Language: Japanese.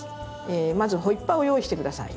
まずホイッパーを用意して下さい。